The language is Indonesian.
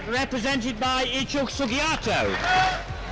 dikenal sebagai icuk sugiarto